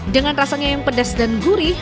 dengan rasanya yang pedas dan gurih